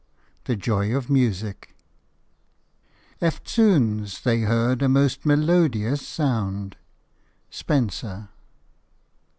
THE JOY OF MUSIC "Eftsoons they heard a most melodious sound." – SPENSER.